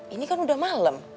ini kan udah malem